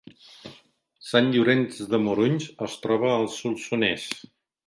Sant Llorenç de Morunys es troba al Solsonès